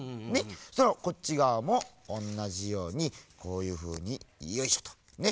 そしたらこっちがわもおんなじようにこういうふうによいしょっとね